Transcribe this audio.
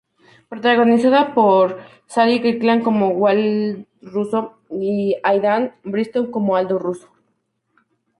Protagonizada por Sally Kirkland como Wallace Russo y Aidan Bristow como Aldo Russo.